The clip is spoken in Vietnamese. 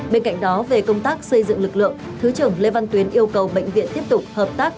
bên cạnh đó về công tác xây dựng lực lượng thứ trưởng lê văn tuyến yêu cầu bệnh viện tiếp tục hợp tác